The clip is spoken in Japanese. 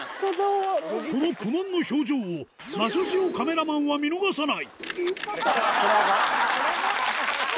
この苦悶の表情をナショジオカメラマンは見逃さない。